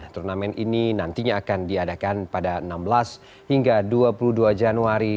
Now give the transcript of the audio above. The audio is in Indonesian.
turnamen ini nantinya akan diadakan pada enam belas hingga dua puluh dua januari